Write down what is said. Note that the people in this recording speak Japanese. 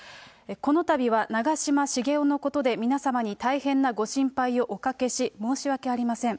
このたびは長嶋茂雄のことで皆様に大変なご心配をおかけし、申し訳ありません。